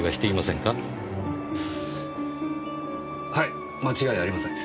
はい間違いありません。